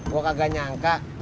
gua kagak nyangka